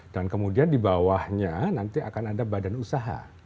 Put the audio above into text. dan kemudian di bawahnya nanti akan ada badan usaha